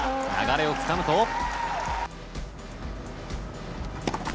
流れをつかむと。